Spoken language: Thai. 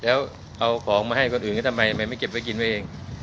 แล้วเอาของมาให้คนอื่นก็ทำไมไม่เก็บไว้กินไว้เอง